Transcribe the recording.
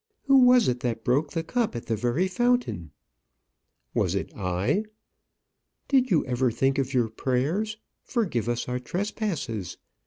Who was it that broke the cup at the very fountain?" "Was it I?" "Did you ever think of your prayers? 'Forgive us our trespasses.'